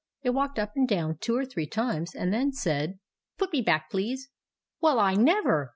It walked up and down two or three times and then said —" Put me back, please." "Well, I never!"